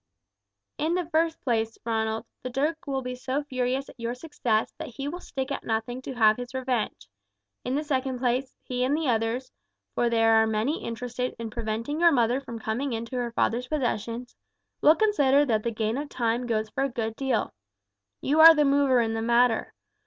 "In the first place, Ronald, the duke will be so furious at your success that he will stick at nothing to have his revenge; in the second place, he and the others, for there are many interested in preventing your mother from coming into her father's possessions, will consider that the gain of time goes for a good deal. You are the mover in the matter.